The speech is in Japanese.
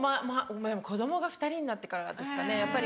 子供が２人になってからですかねやっぱり。